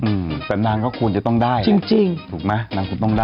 อืมแต่นางก็ควรจะต้องได้จริงจริงถูกไหมนางควรต้องได้